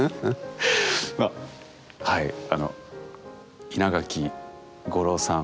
はいあの稲垣吾郎さん